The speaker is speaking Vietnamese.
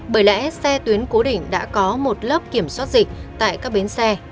bởi lẽ xe tuyến cố định đã có một lớp kiểm soát dịch tại các bến xe